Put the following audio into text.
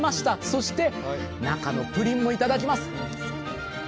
そして中のプリンも頂きます。